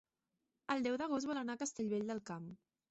El deu d'agost vol anar a Castellvell del Camp.